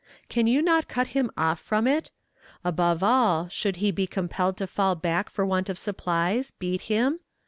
Can you not cut him off from it? Above all, should he be compelled to fall back for want of supplies, beat him?